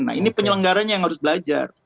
nah ini penyelenggaranya yang harus belajar